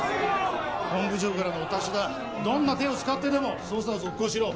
・本部長からのお達しだどんな手を使ってでも捜査を続行しろ